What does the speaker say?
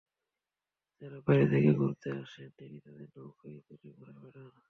যাঁরা বাইরে থেকে ঘুরতে আসেন, তিনি তাঁদের নৌকায় তুলে ঘুরে বেড়ান।